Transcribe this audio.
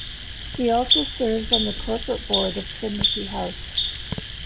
He also serves on the Corporate Board of Trinity House.